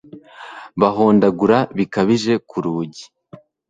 bahondagura bikabije ku rugi